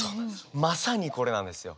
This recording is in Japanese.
まさにこれなんですよ。